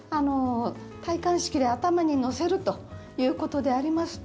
戴冠式で頭に載せるということでありますと